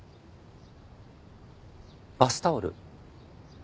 バスタオル？